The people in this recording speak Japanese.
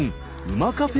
馬カフェ。